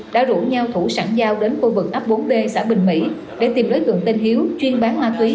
đã rủ nhau thủ sẵn giao đến khu vực ấp bốn b xã bình mỹ để tìm đối tượng tên hiếu chuyên bán ma túy